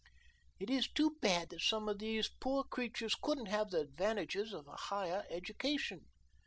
It is too bad that some of these poor creatures couldn't have the advantages of higher education."